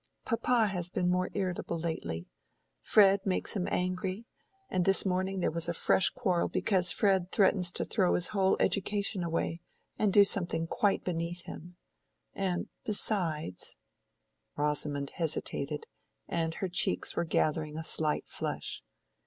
"Papa has been more irritable lately. Fred makes him angry, and this morning there was a fresh quarrel because Fred threatens to throw his whole education away, and do something quite beneath him. And besides—" Rosamond hesitated, and her cheeks were gathering a slight flush.